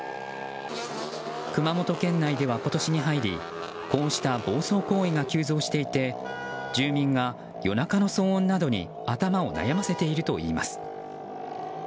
熊本県内では今年に入りこうした暴走行為が急増していて住民が、夜中の騒音などに頭を悩ませているといいます。